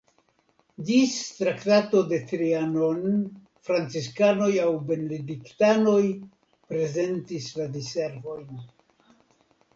Ĝis Traktato de Trianon franciskanoj aŭ benediktanoj prezentis la diservojn.